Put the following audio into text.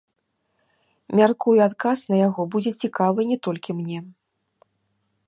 Мяркую, адказ на яго будзе цікавы не толькі мне.